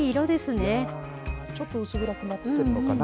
ちょっと薄暗くなっているのかな。